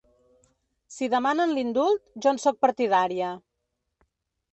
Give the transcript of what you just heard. Si demanen l’indult, jo en sóc partidària.